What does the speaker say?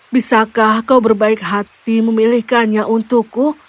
bisakah kau berbaik hati memilihkannya untukku